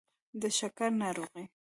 د شکر ناروغي